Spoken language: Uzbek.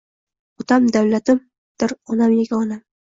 Otam davlatimdironam yagonam